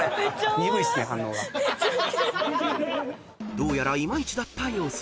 ［どうやらいまいちだった様子］